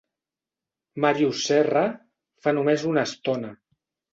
Màrius Serra, fa només una estona.